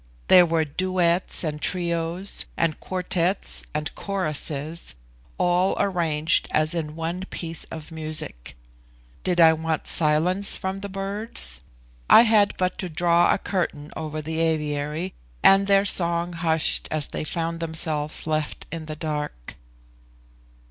There were duets and trios, and quartetts and choruses, all arranged as in one piece of music. Did I want silence from the birds? I had but to draw a curtain over the aviary, and their song hushed as they found themselves left in the dark.